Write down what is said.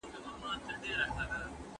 زه به ليکنه کړې وي!!